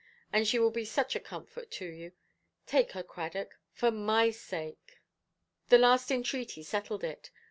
And she will be such a comfort to you. Take her, Cradock, for my sake". The last entreaty settled it.